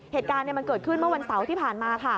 เหตุการณ์มันเกิดขึ้นเมื่อวันเสาร์ที่ผ่านมาค่ะ